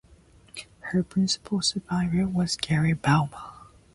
Her principal supervisor was Gary Bouma.